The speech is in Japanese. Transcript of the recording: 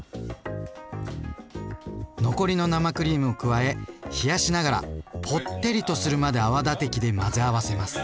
残りの生クリームを加え冷やしながらぽってりとするまで泡立て器で混ぜ合わせます。